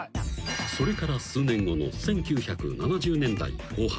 ［それから数年後の１９７０年代後半］